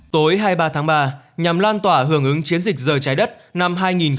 tối hai mươi ba tháng ba nhằm lan tỏa hưởng ứng chiến dịch giờ trái đất năm hai nghìn hai mươi